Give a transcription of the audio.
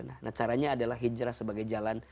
nah caranya adalah hijrah sebagai jalan